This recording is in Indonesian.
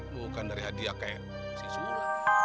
bukan dari hadiah kayak si sulam